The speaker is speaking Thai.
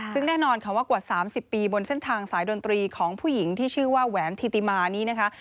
ซึ่งแน่นอนค่ะว่ากว่า๓๐ปีบนเส้นทางสายดนตรีของผู้หญิงที่ชื่อว่าแหวนธิติมานี้นะคะ